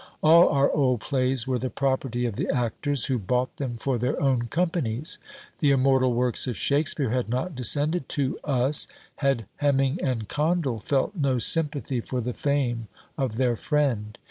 All our old plays were the property of the actors, who bought them for their own companies. The immortal works of Shakspeare had not descended to us, had Heminge and Condell felt no sympathy for the fame of their friend.